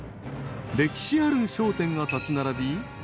［歴史ある商店が立ち並び］